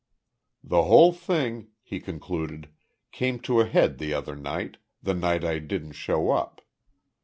"The whole thing," he concluded, "came to a head the other night the night I didn't show up.